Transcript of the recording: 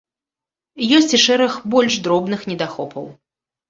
Ёсць і шэраг больш дробных недахопаў.